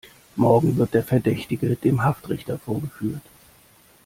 Morgen wird der Verdächtige dem Haftrichter vorgeführt.